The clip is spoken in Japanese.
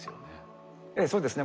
ええそうですね。